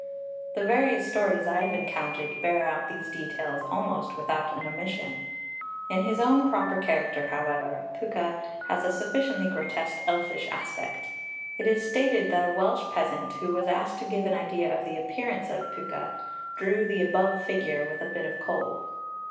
The various stories I have encountered bear out these details almost without an omission. [Illustration: {SKETCH OF PWCA.}] In his own proper character, however, Pwca has a sufficiently grotesque elfish aspect. It is stated that a Welsh peasant who was asked to give an idea of the appearance of Pwca, drew the above figure with a bit of coal.